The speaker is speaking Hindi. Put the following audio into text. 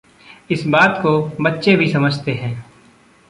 इस बात को बच्चे भी समझते हैं।